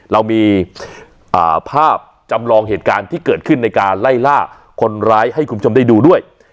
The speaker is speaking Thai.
เรามีภาพจำลองเหตุการณ์ที่เกิดขึ้นในการไล่ล่าคนร้ายให้คุณผู้ชมได้ดูด้วย